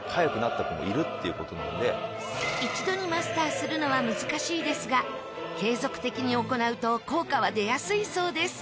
一度にマスターするのは難しいですが継続的に行うと効果は出やすいそうです。